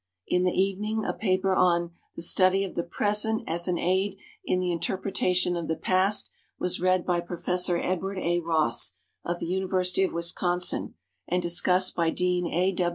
In the evening a paper on "The Study of the Present as an Aid in the Interpretation of the Past" was read by Professor Edward A. Ross, of the University of Wisconsin, and discussed by Dean A.